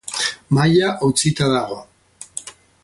Mahaia hautsita dago.